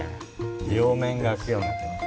両面が開くようになってます。